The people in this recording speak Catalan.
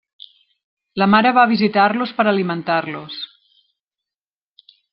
La mare va a visitar-los per alimentar-los.